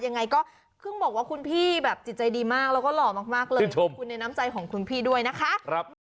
ยังไงก็เพิ่งบอกว่าคุณพี่แบบจิตใจดีมากแล้วก็หล่อมากเลยขอบคุณในน้ำใจของคุณพี่ด้วยนะคะ